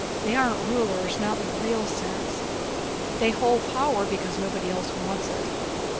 They aren't rulers, not in the real sense. They hold power because nobody else wants it.